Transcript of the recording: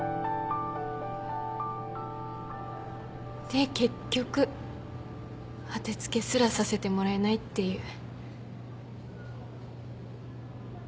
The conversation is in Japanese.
で結局当て付けすらさせてもらえないっていう。